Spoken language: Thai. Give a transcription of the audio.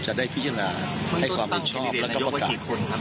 จะได้พิจารณาให้ความเป็นชอบและก็ประกัน